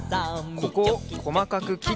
ここをこまかくきって。